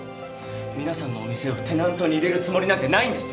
皆さんのお店をテナントに入れるつもりなんてないんです！